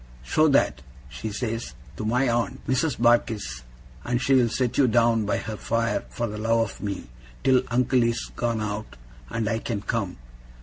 "Show that," she says, "to my aunt, Mrs. Barkis, and she'll set you down by her fire, for the love of me, till uncle is gone out, and I can come."